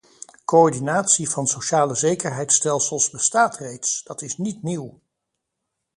Coördinatie van socialezekerheidsstelsels bestaat reeds, dat is niet nieuw.